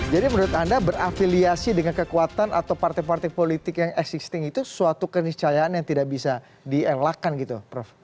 jadi menurut anda berafiliasi dengan kekuatan atau partai partai politik yang existing itu suatu keniscayaan yang tidak bisa dielakkan gitu